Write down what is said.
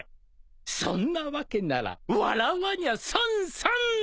「そんなわけなら笑わにゃ損！損！」